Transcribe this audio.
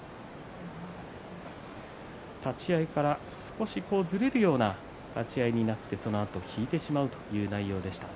立ち合いから少しずれるような立ち合いになってそのあと引いてしまうという内容でした。